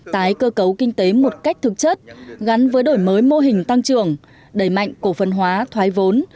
tái cơ cấu kinh tế một cách thực chất gắn với đổi mới mô hình tăng trưởng đẩy mạnh cổ phân hóa thoái vốn